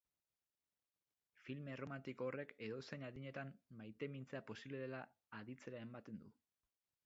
Film erromantiko horrek edozein adinetan maitemintzea posible dela aditzera ematen du.